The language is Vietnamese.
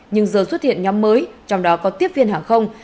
nhưng giờ xuất hiện nhóm mới trong đó có tiếp viên hàng không